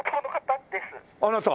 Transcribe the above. あなた？